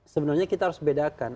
sebenarnya kita harus bedakan